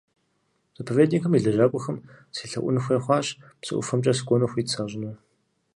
Заповедникым и лэжьакӀуэхэм селъэӀун хуей хъуащ, псы ӀуфэмкӀэ сыкӀуэну хуит сащӀыну.